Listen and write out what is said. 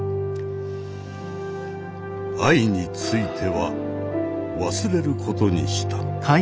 愛については忘れることにした。